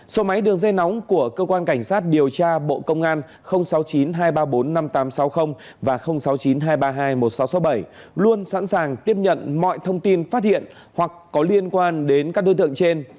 số máy đường dây nóng của cơ quan cảnh sát điều tra bộ công an sáu mươi chín hai trăm ba mươi bốn năm nghìn tám trăm sáu mươi và sáu mươi chín hai trăm ba mươi hai một nghìn sáu trăm sáu mươi bảy luôn sẵn sàng tiếp nhận mọi thông tin phát hiện hoặc có liên quan đến các đối tượng trên